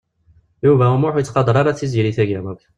Yuba U Muḥ ur yettqadeṛ ara Tiziri Tagawawt.